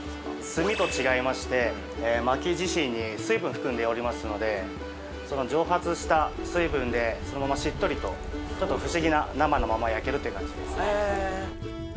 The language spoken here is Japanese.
炭と違いまして薪自身に水分含んでおりますのでその蒸発した水分でそのまましっとりとちょっと不思議な生のまま焼けるという感じです